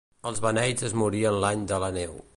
Els beneits es moriren l'any de la neu.